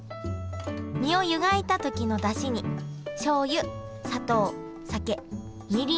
身を湯がいた時のだしにしょうゆ砂糖酒みりんを投入。